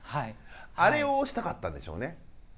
あれをしたかったんでしょうね。